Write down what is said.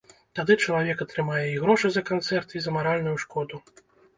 Тады чалавек атрымае і грошы за канцэрт, і за маральную шкоду.